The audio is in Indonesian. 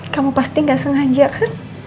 kamu pasti gak sengaja kan